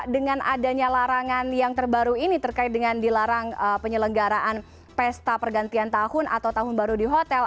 dengan adanya larangan yang terbaru ini terkait dengan dilarang penyelenggaraan pesta pergantian tahun atau tahun baru di hotel